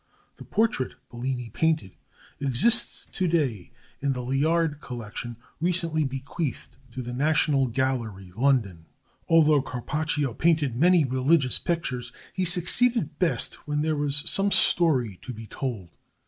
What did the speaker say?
The portrait Bellini painted exists today in the Layard collection, recently bequeathed to the National Gallery, London. Although Carpaccio painted many religious pictures, he succeeded best when there was some story to be told.